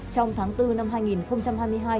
trong tháng bốn năm hai nghìn hai mươi hai